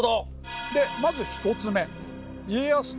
まず１つ目。